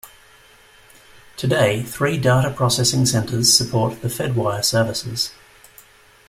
Today, three data processing centers support the Fedwire services.